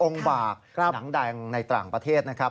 บากหนังแดงในต่างประเทศนะครับ